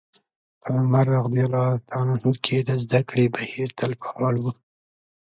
په عمر رض کې د زدکړې بهير تل فعال و.